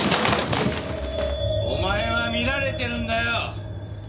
お前は見られてるんだよ。